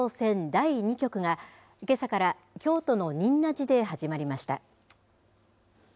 第２局が、けさから京都の仁和寺で始まりました。